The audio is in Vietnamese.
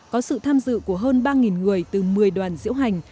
có sự tham dự của hơn ba người từ một mươi đoàn diễu hành